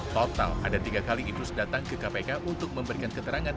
total ada tiga kali idrus datang ke kpk untuk memberikan keterangan